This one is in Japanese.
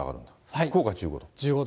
福岡１５度。